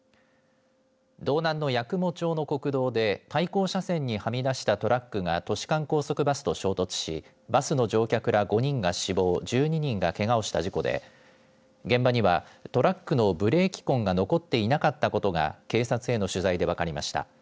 道南の八雲町の国道で対向車線にはみ出したトラックが都市間高速バスと衝突しバスの乗客ら５人が死亡１２人がけがをした事故で現場にはトラックのブレーキ痕が残っていなかったことが警察への取材で分かりました。